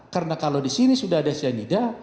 karena kalau disini sudah ada cyanida